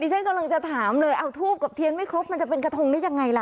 ฉันกำลังจะถามเลยเอาทูบกับเทียนไม่ครบมันจะเป็นกระทงได้ยังไงล่ะ